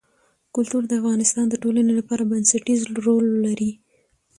کلتور د افغانستان د ټولنې لپاره بنسټيز رول لري.